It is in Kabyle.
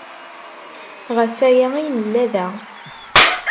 Ɣef waya ay nella da.